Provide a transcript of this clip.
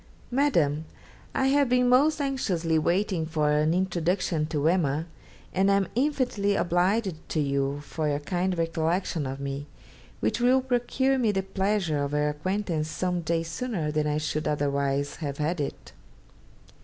'MADAM, I have been most anxiously waiting for an introduction to "Emma," and am infinitely obliged to you for your kind recollection of me, which will procure me the pleasure of her acquaintance some days sooner than I should otherwise have had it.